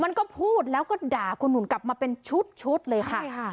มันก็พูดแล้วก็ด่าคุณหุ่นกลับมาเป็นชุดเลยค่ะ